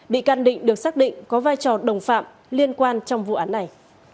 bị can định được xác định có vai trò đồng phạm liên quan trong vụ án này